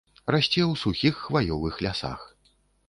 Расце ў сухіх хваёвых лясах.